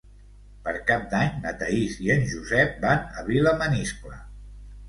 Per Cap d'Any na Thaís i en Josep van a Vilamaniscle.